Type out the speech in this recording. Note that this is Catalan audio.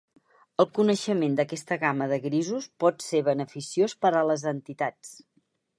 El coneixement d’aquesta gamma de grisos pot ser beneficiós per a les entitats.